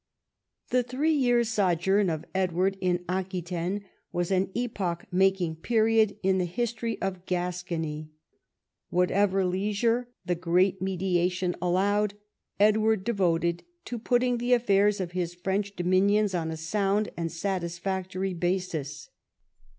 The three years' sojourn of Edward in Aquitaine was an epoch making period in the history of Gascony. Whatever leisure the great mediation allowed, Edward devoted to putting the affairs of his French dominions on a sound and satisfactory basis.